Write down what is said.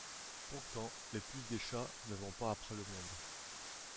Pourtant les puces des chats ne vont pas après le monde.